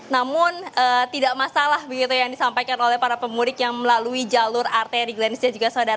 namun tidak masalah begitu yang disampaikan oleh para pemurik yang melalui jalur artai di glendisland